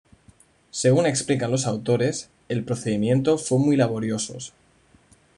Según explican los autores, “El procedimiento fue muy laboriosos.